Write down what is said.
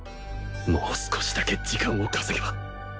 もう少しだけ時間をかせげば